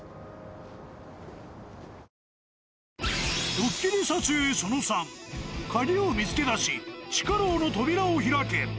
ドッキリ撮影その３、鍵を見つけ出し、地下牢の扉を開け。